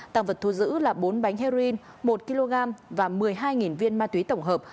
tăng vật thu giữ là bốn bánh heroin một kg và một mươi hai viên ma túy tổng hợp